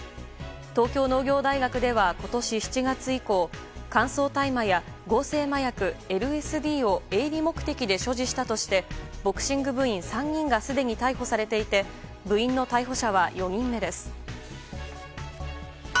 東京農業大学では今年７月以降乾燥大麻や合成麻薬ＬＳＤを営利目的で所持したとしてボクシング部員３人がすでに逮捕されていて部員の逮捕者は４人目です。